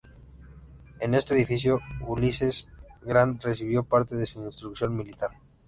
En este edificio Ulysses S. Grant recibió parte de su instrucción militar.